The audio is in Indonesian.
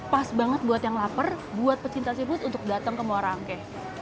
pas banget buat yang lapar buat pecinta seafood untuk datang ke muara angke